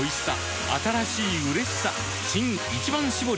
新「一番搾り」